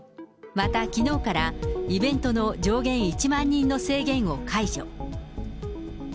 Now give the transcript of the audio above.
また、きのうからイベントの上限１万人の制限を解除。